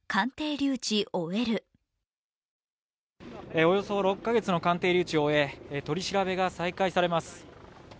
およそ６か月の鑑定留置を終え、取り調べが再開されます。